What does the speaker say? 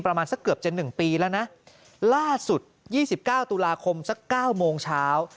ประมาณสักเกือบจะ๑ปีแล้วนะล่าสุด๒๙ตุลาคมสัก๙โมงเช้า